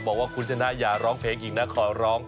บอกว่าคุณชนะอย่าร้องเพลงอีกนะขอร้อง